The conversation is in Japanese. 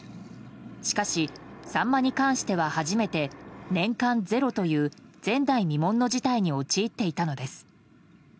しかしサンマに関しては初めて年間ゼロという前代未聞の事態に陥っていたのです。